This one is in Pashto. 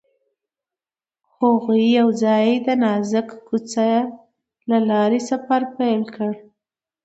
هغوی یوځای د نازک کوڅه له لارې سفر پیل کړ.